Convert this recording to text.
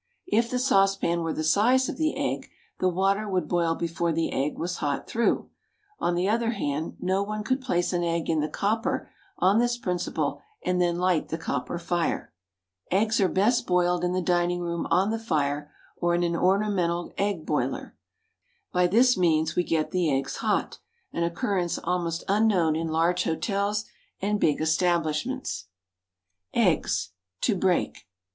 If the saucepan were the size of the egg, the water would boil before the egg was hot through; on the other hand, no one could place an egg in the copper on this principle and then light the copper fire. Eggs are best boiled in the dining room on the fire, or in an ornamental egg boiler. By this means we get the eggs hot, an occurrence almost unknown in large hotels and big establishments. EGGS, TO BREAK.